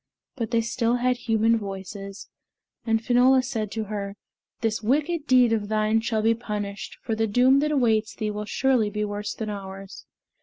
But they still had human voices, and Finola said to her, "This wicked deed of thine shall be punished, for the doom that awaits thee will surely be worse than ours."